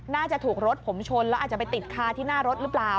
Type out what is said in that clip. น่าจะถูกรถผมชนแล้วอาจจะไปติดคาที่หน้ารถหรือเปล่า